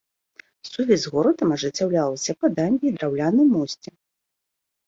Сувязь з горадам ажыццяўлялася па дамбе і драўляным мосце.